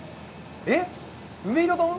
えっ、梅彩丼？